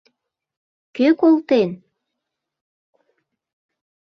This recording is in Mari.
— Кӧ колтен?